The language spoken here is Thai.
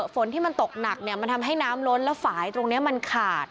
ฝนที่มันตกหนักเนี่ยมันทำให้น้ำล้นแล้วฝ่ายตรงนี้มันขาด